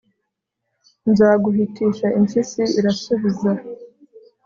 nzaguhitisha!' impyisi irasubiza